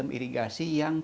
maka universitas nyamuk